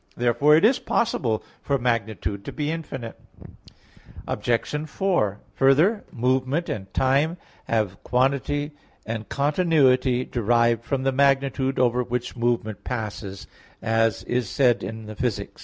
Therefore it is possible for magnitude to be infinite. Obj. 4: Further, movement and time have quantity and continuity derived from the magnitude over which movement passes, as is said in Phys. iv.